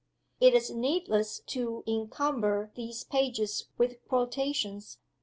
It is needless to encumber these pages with quotations.